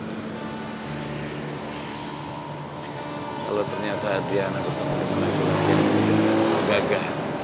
kalau ternyata adriana ditemukan dengan teman teman yang bergagah